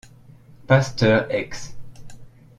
Pasteur Ex.